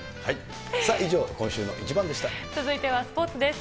以上、続いてはスポーツです。